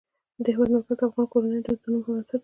د هېواد مرکز د افغان کورنیو د دودونو مهم عنصر دی.